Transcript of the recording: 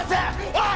おい！